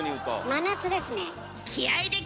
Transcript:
真夏ですね。